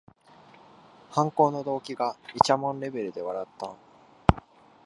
犯行の動機がいちゃもんレベルで笑った